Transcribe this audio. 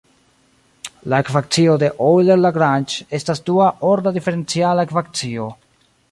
La ekvacio de Euler–Lagrange estas dua-orda diferenciala ekvacio.